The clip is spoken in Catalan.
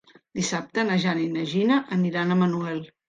Dissabte na Jana i na Gina aniran a Manuel.